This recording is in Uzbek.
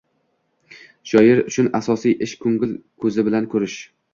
Shoir uchun asosiy ish ko`ngil ko`zi bilan ko`rish